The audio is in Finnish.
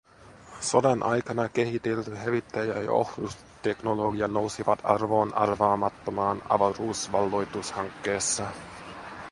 Sodan aikana kehitelty hävittäjä- ja ohjusteknologia nousivat arvoon arvaamattomaan avaruusvalloitushankkeessa.